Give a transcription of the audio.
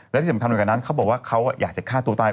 แล้วที่สำคัญเหมือนกันนั้นเขาบอกว่าเขาอยากจะฆ่าตัวตาย